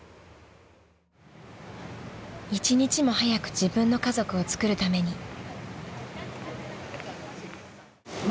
［１日も早く自分の家族をつくるために］